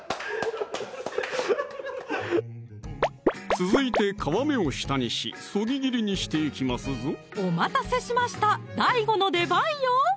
続いて皮目を下にし削ぎ切りにしていきますぞお待たせしましたＤＡＩＧＯの出番よ！